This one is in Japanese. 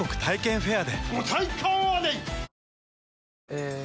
え